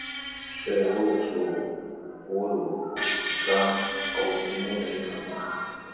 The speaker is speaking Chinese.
水鹿属哺乳纲偶蹄目的一种鹿。